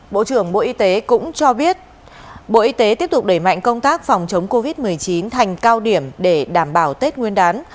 bộ trưởng bộ y tế cũng cho biết bộ y tế tiếp tục đẩy mạnh công tác phòng chống covid một mươi chín thành cao điểm để đảm bảo tết nguyên đán